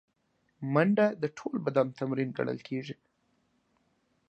منډه د ټول بدن تمرین ګڼل کېږي